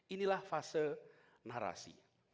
inilah fase narasi